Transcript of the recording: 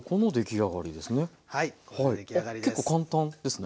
あっ結構簡単ですね。